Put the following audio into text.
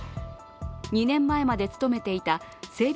２年前まで勤めていた整備